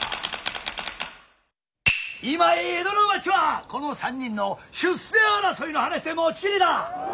今江戸の町はこの３人の出世争いの話で持ちきりだ。